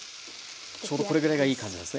ちょうどこれぐらいがいい感じなんですね。